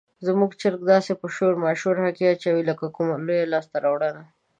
زموږ چرګه داسې په شور ماشور هګۍ اچوي لکه کومه لویه لاسته راوړنه.